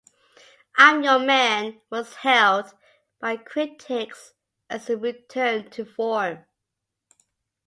"I'm Your Man" was hailed by critics as a return to form.